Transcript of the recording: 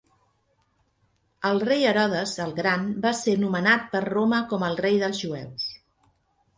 El rei Herodes el gran va ser nomenat per Roma com el rei dels jueus.